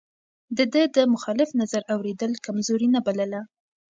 ده د مخالف نظر اورېدل کمزوري نه بلله.